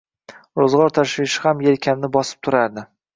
Ro‘zg‘or tashvishi ham yelkamni bosib turardi